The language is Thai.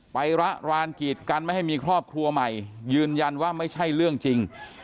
ระรานกีดกันไม่ให้มีครอบครัวใหม่ยืนยันว่าไม่ใช่เรื่องจริง